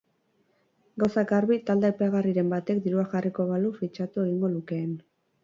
Gauzak garbi, talde aipagarriren batek dirua jarriko balu fitxatu egingo lukeen.